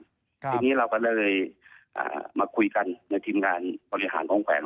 ทีนี้เราก็เลยมาคุยกันในทีมงานบริหารของแขวน